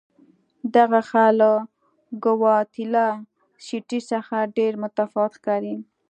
دغه ښار له ګواتیلا سیټي څخه ډېر متفاوت ښکاري.